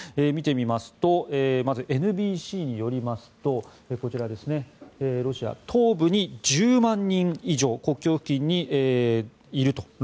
見てみますとまず、ＮＢＣによりますとこちら、ロシア東部に１０万人以上国境付近にいると。